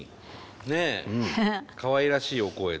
ねかわいらしいお声で。